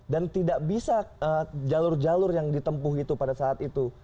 dan tidak bisa jalur jalur yang ditempuh itu pada saat itu